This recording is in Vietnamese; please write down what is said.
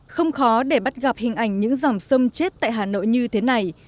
không khó để bắt gặp hình ảnh những dòng sông chết tại hà nội như thế này